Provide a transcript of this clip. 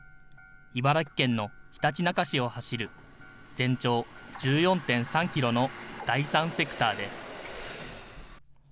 茨城県のひたちなか市を走る全長１４．３キロの第三セクターです。